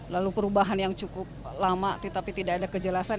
lalu perubahan yang cukup lama tetapi tidak ada kejelasan